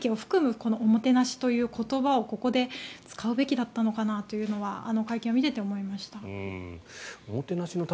このおもてなしという言葉をここで使うべきだったのかなというのは会見を見ていて思いました。